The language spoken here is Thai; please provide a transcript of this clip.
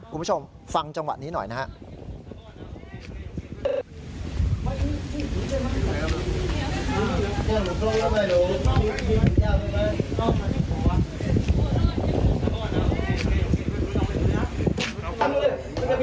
คุณผู้ชมฟังจังหวะนี้หน่อยนะครับ